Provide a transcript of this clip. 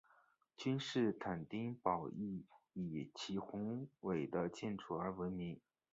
君士坦丁堡亦以其宏伟的建筑而闻名。